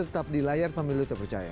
tetap di layar pemilu terpercaya